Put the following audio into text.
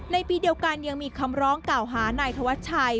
ในปีเดียวกันยังมีคำร้องกล่าวหานายธวัชชัย